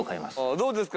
どうですか？